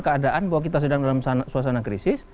keadaan bahwa kita sedang dalam suasana krisis